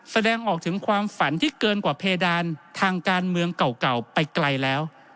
แสดงออกถึงความฝันที่เกินกว่าเพดานทางการเมืองเก่าไปไกลแล้ว